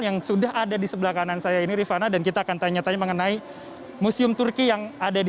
yang sudah ada di sebelah kanan saya ini rifana dan kita akan tanya tanya mengenai museum turki yang ada di